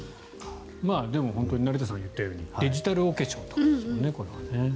でも本当に成田さんが言ったようにデジタルお化粧ということですよね。